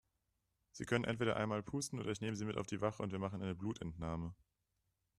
Sie können entweder einmal pusten oder ich nehme Sie mit auf die Wache und wir machen eine Blutentnahme.